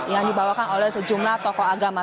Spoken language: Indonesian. yang dibawakan oleh sejumlah tokoh agama